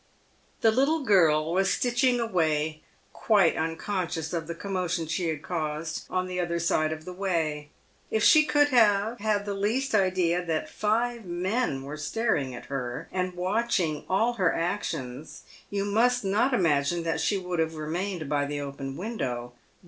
The little girl was stitching away quite unconscious of the commo tion she had caused on the other side of the way. If she could have had the least idea that five men were staring at her, and watching all her actions, you must not imagine that she would have remained by the open window.